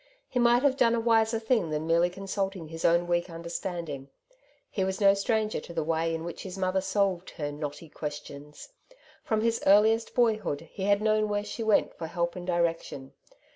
He might have done a wiser thing than merely consulting his own weak understanding. He was no stranger to the way in which his mother solved her '^ knotty questions.^' From his earliest boyhood he had known where she went for help and direction.